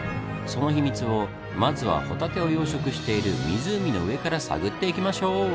その秘密をまずはホタテを養殖している湖の上から探っていきましょう！